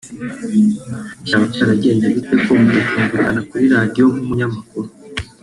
Byaba byaragenze bite ko mutacyumvikana kuri Radiyo nk’umunyamakuru